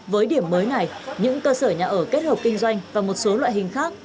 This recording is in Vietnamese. với điểm mới này những cơ sở nhà ở kết hợp kinh doanh và một số loại hình khác